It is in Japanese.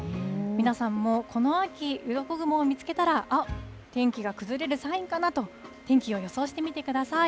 皆さんもこの秋、うろこ雲を見つけたら、あっ、天気が崩れるサインかなと、天気を予想してみてください。